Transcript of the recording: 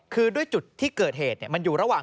คือด้วยจุดที่เกิดเหตุมันอยู่ระหว่าง